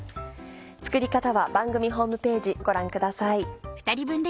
作り方は番組ホームページご覧ください。